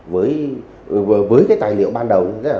với cái tài liệu ban đầu